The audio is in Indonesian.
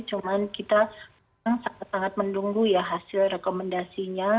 cuman kita sangat sangat menunggu ya hasil rekomendasinya